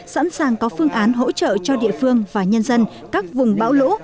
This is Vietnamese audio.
sẵn sàng có phương án hỗ trợ cho địa phương và nhân dân các vùng bão lũ